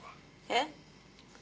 えっ？